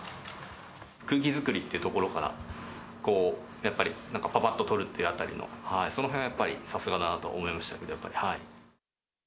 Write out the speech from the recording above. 空気作りっていうところから、やっぱり、ぱぱっと撮るってあたりの、そのへんはやっぱりさすがだなと思いましたけれども、やっぱり。